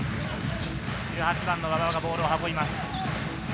１８番・馬場がボールを運びます。